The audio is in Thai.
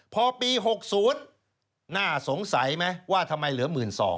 พอปี๖๐น่าสงสัยไหมว่าทำไมเหลือ๑๒๐๐